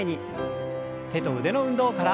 手と腕の運動から。